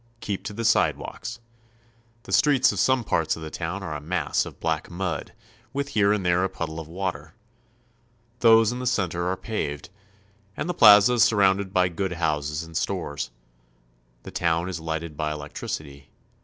Keep to the sidewalks. The AT THE END OF THE CONTINENT. l6l Streets of some parts of the town are a mass of black mud with here and there a puddle of water. Those in the cen ter are paved, and the plaza is surrounded by good houses and stores. The town is lighted by electricity.